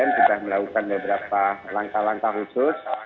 sudah melakukan beberapa langkah langkah khusus